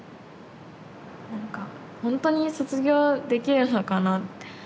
なんかほんとに卒業できるのかなって。